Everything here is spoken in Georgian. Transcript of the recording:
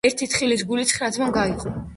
ერთი თხილის გული, ცხრა ძმამ გაიყო